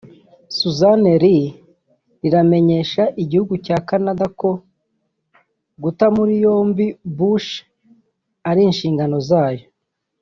Susan Lee riramenyesha igihugu cya Canada ko guta muri yombi Bush ari inshingano zayo